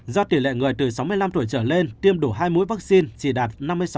do tỷ lệ người từ sáu mươi năm tuổi trở lên tiêm đủ hai mũi vaccine chỉ đạt năm mươi sáu hai mươi bảy